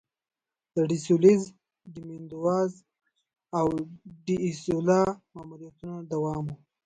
د ډي سولیز، ډي میندوزا او ډي ایولاس ماموریتونه دوام و.